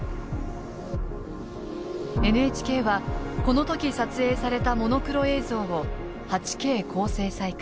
ＮＨＫはこの時撮影されたモノクロ映像を８Ｋ高精細化